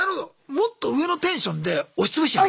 もっと上のテンションで押し潰しちゃう。